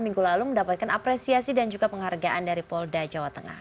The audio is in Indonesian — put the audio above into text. minggu lalu mendapatkan apresiasi dan juga penghargaan dari polda jawa tengah